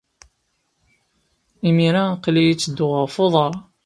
Imir-a, aql-iyi ttedduɣ ɣef uḍar.